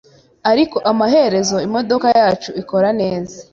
Ariko amaherezo imodoka yacu ikora neza.